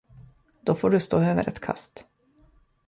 Då får du stå över ett kast.